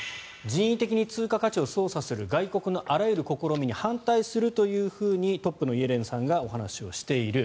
人為的に通貨価値を操作する外国のあらゆる試みに反対するというふうにトップのイエレンさんがお話ししている。